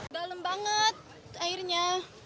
dalem banget airnya